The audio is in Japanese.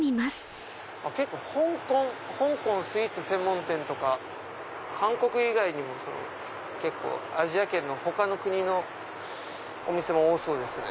香港スイーツ専門店とか韓国以外にもアジア圏の他の国のお店も多そうですね。